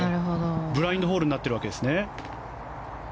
ブラインドホールになっているわけですね。